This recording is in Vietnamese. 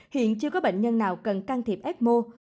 hiện chưa có bệnh nhân nào cần can thiệp ecmo